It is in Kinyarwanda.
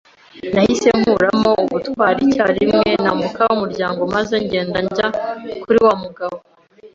Nahise nkuramo ubutwari icyarimwe, nambuka umuryango, maze ngenda njya kuri wa mugabo